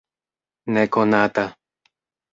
nekonata